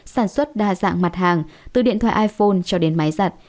sản xuất đa dạng mặt hàng từ điện thoại iphone cho đến máy giặt